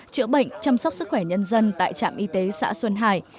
chữa bệnh chăm sóc sức khỏe nhân dân tại trạm y tế xã xuân hải